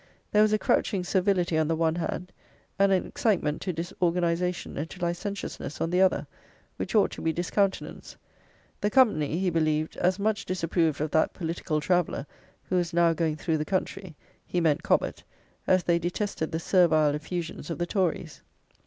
There was a crouching servility on the one hand, and an excitement to disorganization and to licentiousness on the other, which ought to be discountenanced. The company, he believed, as much disapproved of that political traveller who was now going through the country he meant Cobbett as they detested the servile effusions of the Tories."